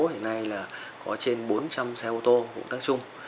hiện nay có trên bốn trăm linh xe ô tô vụ tác chung